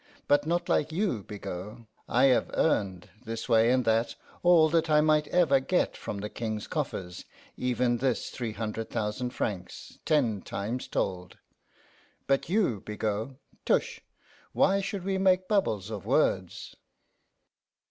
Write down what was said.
But not like you, Bigot. I have earned, this way and that, all that I might ever get from the King's coffers even this three hunder' thousan' francs, ten times told. But you, Bigot tush! why should we make bubbles of words?